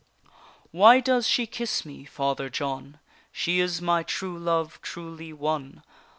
Why does she kiss me, Father John? She is my true love truly won!